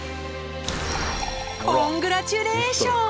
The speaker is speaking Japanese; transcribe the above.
コングラチュレーション！